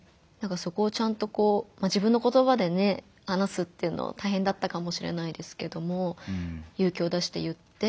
そこをちゃんとこう自分の言葉でね話すっていうのは大変だったかもしれないですけども勇気を出して言って。